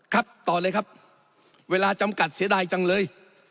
ต่อเลยครับเวลาจำกัดเสียดายจังเลย